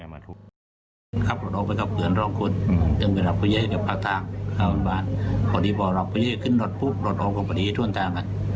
มันล่ะพูดถึงวันเด็กหนึ่งทุกที่ถูกยิงกัน